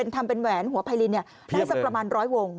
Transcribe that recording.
ทำเป็นแหวนหัวไพรินเนี่ยได้สักประมาณ๑๐๐วง